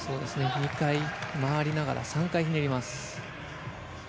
２回、回りながら３回ひねります。